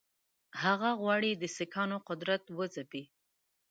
هغه غواړي د سیکهانو قدرت وځپي.